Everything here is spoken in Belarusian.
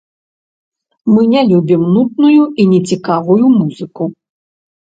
Мы не любім нудную і нецікавую музыку.